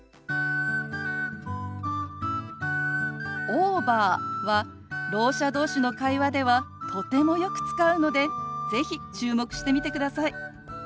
「オーバー」はろう者同士の会話ではとてもよく使うので是非注目してみてください。